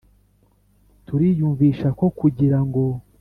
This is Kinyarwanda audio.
Turiyumvisha ko kugira ngo